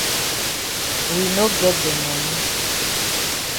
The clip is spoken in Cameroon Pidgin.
We no get de moni.